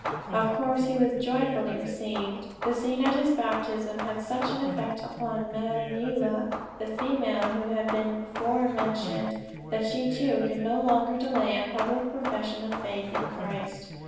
Of course he was joyfully received. The scene at his baptism had such an effect upon Mah Meulah, the female who has been before mentioned, that she too could no longer delay a public profession of faith in Christ.